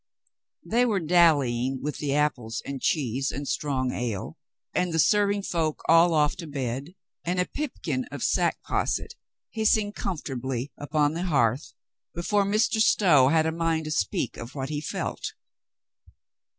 They were dallying with the apples and cheese and strong ale, and the serving folk all off to bed, and a pipkin of sack posset hissing comfortably upon the hearth, be fore Mr. Stow had a mind to speak of what he felt.